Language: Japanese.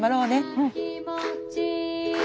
うん。